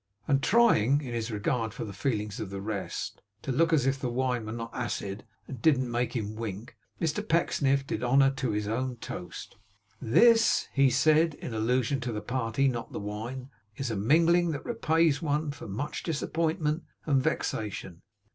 And trying (in his regard for the feelings of the rest) to look as if the wine were not acid and didn't make him wink, Mr Pecksniff did honour to his own toast. 'This,' he said, in allusion to the party, not the wine, 'is a mingling that repays one for much disappointment and vexation.